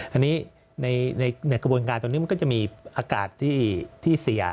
อันนี้ในกระบวนการตรงนี้มันก็จะมีอากาศที่เสีย